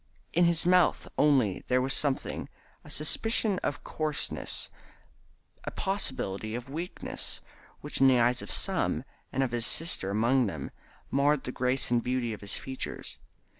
In his mouth only there was something a suspicion of coarseness, a possibility of weakness which in the eyes of some, and of his sister among them, marred the grace and beauty of his features.